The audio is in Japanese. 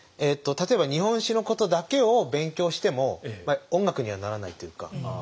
例えば日本史のことだけを勉強しても音楽にはならないというか。